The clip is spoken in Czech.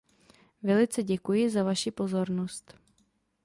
Velice děkuji za vaši pozornost.